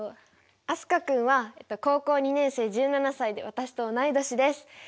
飛鳥君は高校２年生１７歳で私と同い年です。